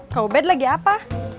kau bad lagi apa